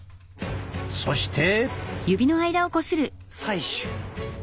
そして。